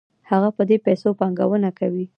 هغه په دې پیسو پانګونه کوي